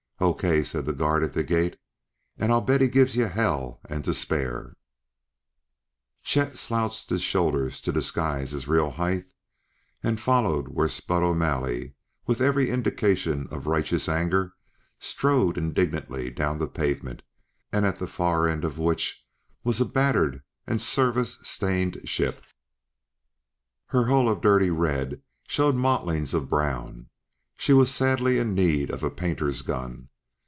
"O.K.," said the guard at the gate, "and I'll bet he gives you hell and to spare!" Chet slouched his shoulders to disguise his real height and followed where Spud O'Malley, with every indication of righteous anger, strode indignantly down the pavement, at the far end of which was a battered and service stained ship. Her hull of dirty red showed mottlings of brown; she was sadly in need of a painter's gun.